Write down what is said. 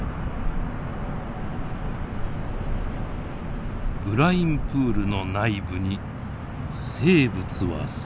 ブラインプールの内部に生物は存在するのか。